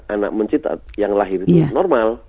anak mencit yang lahir normal